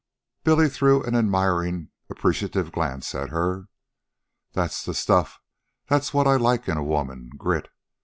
Billy threw an admiring, appreciative glance at her. "That's the stuff. That's what I like in a woman grit.